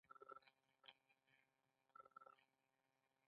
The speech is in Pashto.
ما ستاسو د فرمان سره سم پاچهي ومنله.